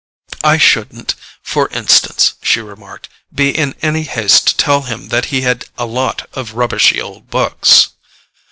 "I shouldn't, for instance," she remarked, "be in any haste to tell him that he had a lot of rubbishy old books."